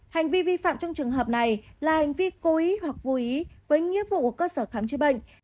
hành vi vi phạm trong trường hợp này là hành vi cố ý hoặc vô ý với nghĩa vụ của cơ sở khám chữa bệnh